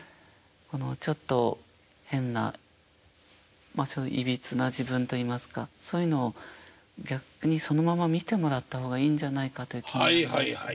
ちょっと変ないびつな自分といいますかそういうのを逆にそのまま見てもらった方がいいんじゃないかという気になりまして。